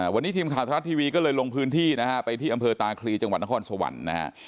วันนี้ทีมข่าวทรัฐทีวีก็เลยลงพื้นที่นะฮะไปที่อำเภอตาคลีจังหวัดนครสวรรค์นะฮะ